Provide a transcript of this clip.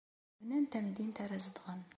Bnan tamdint ara zedɣen.